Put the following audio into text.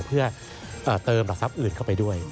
เพื่อเติมหลักทรัพย์อื่นเข้าไปด้วย